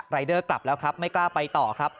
เดอร์กลับแล้วครับไม่กล้าไปต่อครับ